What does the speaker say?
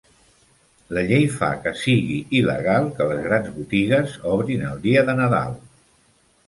La llei fa que sigui il·legal que les grans botigues obrin el dia de Nadal.